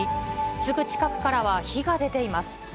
すぐ近くからは火が出ています。